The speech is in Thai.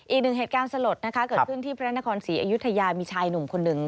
อีกหนึ่งเหตุการณ์สลดนะคะเกิดขึ้นที่พระนครศรีอยุธยามีชายหนุ่มคนหนึ่ง